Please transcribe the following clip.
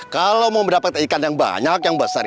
kalau mau mendapatkan ikan yang banyak yang besar